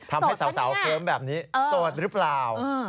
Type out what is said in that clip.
ทำให้สาวเคิ้มแบบนี้โสดหรือเปล่า